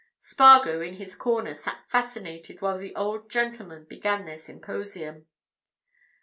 Spargo, in his corner, sat fascinated while the old gentlemen began their symposium.